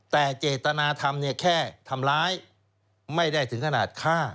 แต่เจตนาธรรมเนี่ยแค่ทำร้ายไม่ได้ถึงขนาดฆ่า